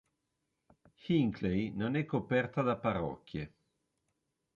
Hinckley non è coperta da parrocchie.